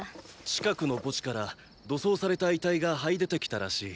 近くの墓地から土葬された遺体が這い出てきたらしい。